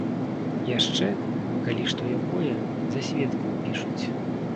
Яшчэ, калі што якое, за сведку ўпішуць.